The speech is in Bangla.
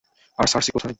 আর সার্সি কোথায়?